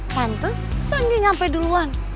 mantesan dia nyampe duluan